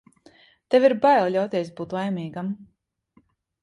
Tev ir bail ļauties būt laimīgam.